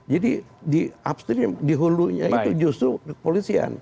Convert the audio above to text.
jadi di upstream di hulunya itu justru kepolisian